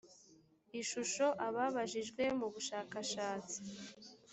ishusho ababajijwe mu bushakashatsi